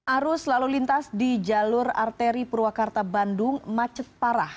arus lalu lintas di jalur arteri purwakarta bandung macet parah